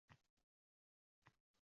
Albatta, bu yaxshi!